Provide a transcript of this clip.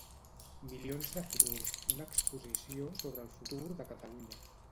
Milions de futurs, una exposició sobre el futur de Catalunya.